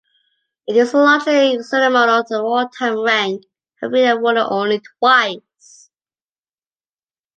It is a largely ceremonial or wartime rank, having been awarded only twice.